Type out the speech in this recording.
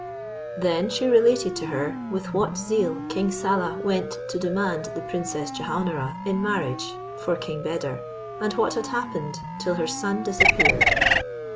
Then she related to her with what zeal King Saleh went to demand the Princess Jehaun ara in marriage for King Beder, and what had happened, till her son disappeared.